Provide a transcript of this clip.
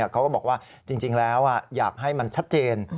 เขาก็บอกว่าจริงแล้วอยากให้มันชัดเจน